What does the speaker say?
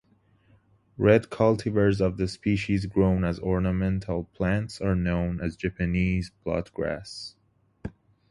Red cultivars of the species grown as ornamental plants are known as Japanese bloodgrass.